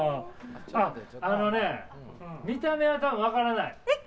あのね、見た目は多分分からない。